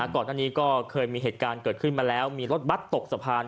ก่อนหน้านี้ก็เคยมีเหตุการณ์เกิดขึ้นมาแล้วมีรถบัตรตกสะพาน